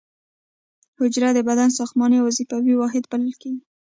حجره د بدن ساختماني او وظیفوي واحد بلل کیږي